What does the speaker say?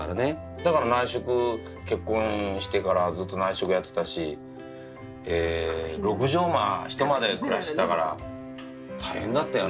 だから内職結婚してからずっと内職やってたし６畳間ひと間で暮らしてたから大変だったよな。